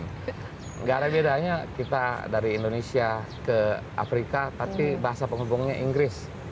tidak ada bedanya kita dari indonesia ke afrika tapi bahasa penghubungnya inggris